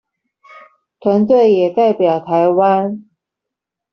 團隊也代表臺灣